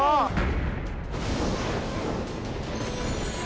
โอ้โฮ